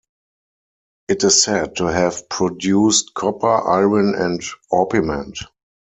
It is said to have produced copper, iron and orpiment.